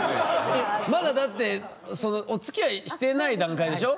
まだだってそのおつきあいしてない段階でしょ？